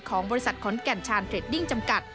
ของบริษัทขอนแก่นชานเทรดดิ้งจำกัด